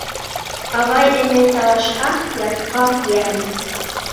Ағай-эне талашһа, ятҡа йәм.